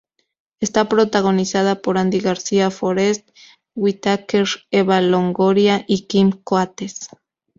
Está protagonizada por Andy García, Forest Whitaker, Eva Longoria y Kim Coates.